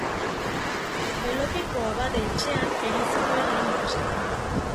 Belokeko abade-etxean egin zituen lehen ikasketak.